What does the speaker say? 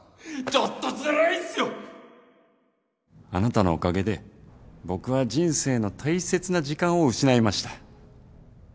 ちょっとずあなたのおかげで僕は人生の大切な時間を失いました。